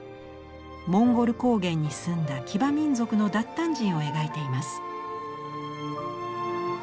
モンゴル高原に住んだ騎馬民族の韃靼人を描いています。